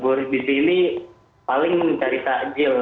dan ngeburit di sini paling mencari tajil